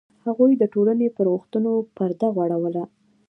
هغوی د ټولنې پر غوښتنو پرده غوړوله.